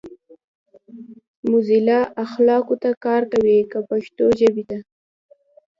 موزیلا اخلاقو ته کار کوي کۀ پښتو ژبې ته؟